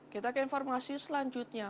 kita ke informasi selanjutnya